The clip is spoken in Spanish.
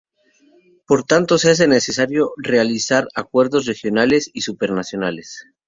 Por tanto, se hace necesario realizar acuerdos regionales y supranacionales.